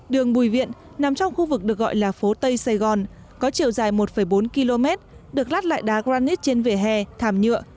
đường bùi viện nằm trong khu vực được gọi là phố tây sài gòn có chiều dài một bốn km được lát lại đá granite trên vỉa hè thảm nhựa